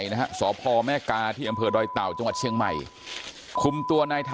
แค้นเหล็กเอาไว้บอกว่ากะจะฟาดลูกชายให้ตายเลยนะ